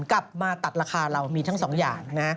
กลับมาตัดราคาเรามีทั้งสองอย่างนะ